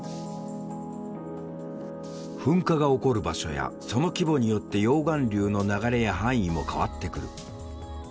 噴火が起こる場所やその規模によって溶岩流の流れや範囲も変わってくる。